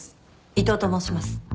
伊藤と申します。